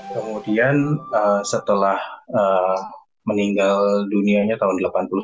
kemudian setelah meninggal dunianya tahun seribu sembilan ratus delapan puluh tiga